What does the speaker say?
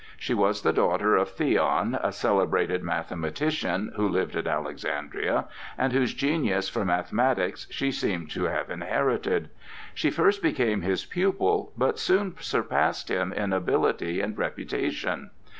She was the daughter of Theon, a celebrated mathematician who lived at Alexandria, and whose genius for mathematics she seemed to have inherited. She first became his pupil, but soon surpassed him in ability and reputation.